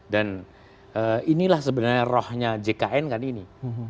dan inilah sebenarnya rohnya jkn kan ini